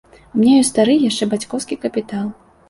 У мяне ёсць стары, яшчэ бацькаўскі, капітал.